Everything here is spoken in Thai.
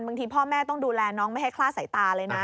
พ่อแม่ต้องดูแลน้องไม่ให้คลาดสายตาเลยนะ